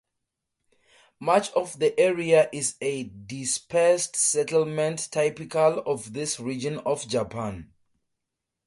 Much of the area is a dispersed settlement typical of this region of Japan.